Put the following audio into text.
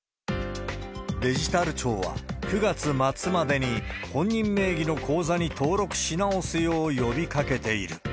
デジタル庁は９月末までに本人名義の口座に登録し直すよう呼びかけている。